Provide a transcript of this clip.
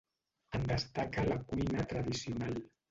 En destaca la cuina tradicional.